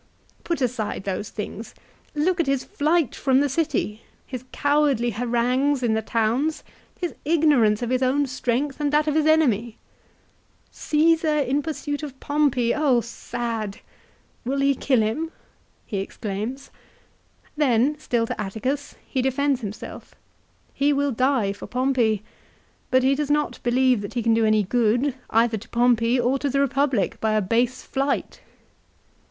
Put aside those things ; look at his flight from the city, his cowardly harangues in the towns, his ignorance of his own strength and that of his enemy !"" Caesar in pursuit of Pompey ! Oh, sad !"" Will he kill him ?" he exclaims. Then, still to Atticus, he defends himself. He will die for Pompey, but he does not believe that he can do any good either to Pompey or to the Eepublic by a base flight.